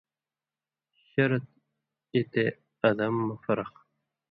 شرط یی تے ادم مہ فرق